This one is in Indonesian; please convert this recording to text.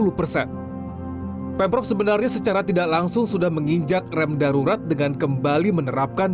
hai pemprov sebenarnya secara tidak langsung sudah menginjak rem darurat dengan kembali menerapkan